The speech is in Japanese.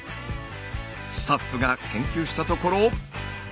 スタッフが研究したところ。